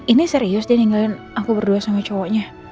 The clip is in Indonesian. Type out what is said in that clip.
ini serius dia ninggalin aku berdua sama cowoknya